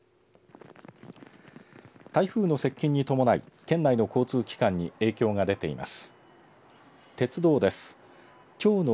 台風の接近に伴い県内の交通機関に影響が出ています。